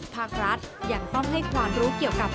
ภาครัฐยังต้องให้ความรู้เกี่ยวกับ